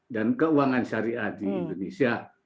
dan keuangan syariah di indonesia